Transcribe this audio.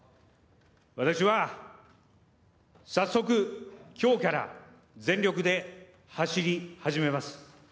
私は早速きょうから、全力で走り始めます。